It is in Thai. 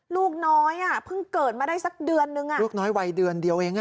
ลูกน้อยอ่ะเพิ่งเกิดมาได้สักเดือนนึงอ่ะลูกน้อยวัยเดือนเดียวเองอ่ะ